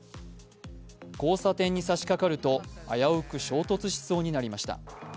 交差点にさしかかると、危うく衝突しそうになりました。